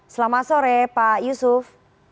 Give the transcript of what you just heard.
selamat sore pak yusuf